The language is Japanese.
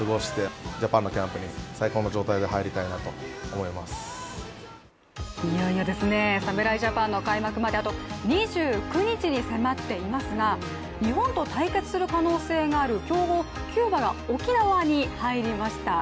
いよいよですね、侍ジャパンの開幕まであと２９日に迫っていますが日本と対決する可能性がある強豪キューバが沖縄に入りました。